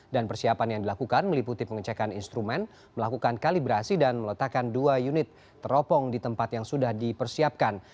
dan persiapan yang dilakukan meliputi pengecekan instrumen melakukan kalibrasi dan meletakkan dua unit teropong di tempat yang sudah dipersiapkan